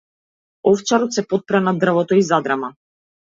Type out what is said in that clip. Овчарот се потпре на дрвото и задрема.